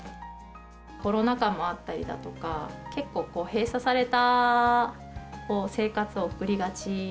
コロナ禍もあったりだとか、結構、閉鎖された生活を送りがち。